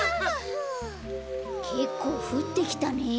けっこうふってきたね。